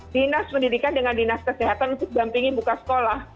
dinas pendidikan dengan dinas kesehatan untuk dampingi buka sekolah